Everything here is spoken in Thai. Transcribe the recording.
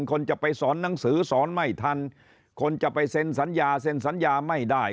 คนจะไปสอนหนังสือสอนไม่ทันคนจะไปเซ็นสัญญาเซ็นสัญญาไม่ได้